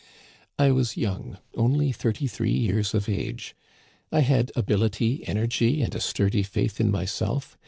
" I was young, only thirty three years of age. I had ability, energy, and a sturdy faith in myself.